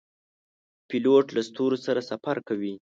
پیلوټ له ستورو سره سفر کوي.